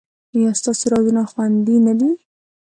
ایا ستاسو رازونه خوندي نه دي؟